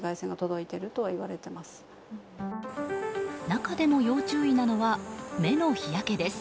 中でも要注意なのは目の日焼けです。